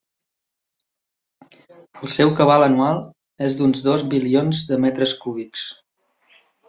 El seu cabal anual és d'uns dos bilions de metres cúbics.